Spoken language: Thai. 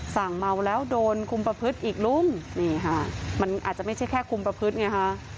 เมาแล้วโดนคุมประพฤติอีกลุงนี่ค่ะมันอาจจะไม่ใช่แค่คุมประพฤติไงฮะ